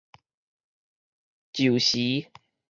此時